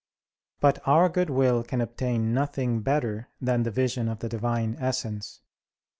But our good will can obtain nothing better than the vision of the Divine Essence.